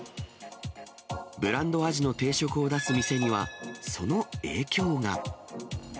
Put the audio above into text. ブランドアジの定食を出す店には、その影響が。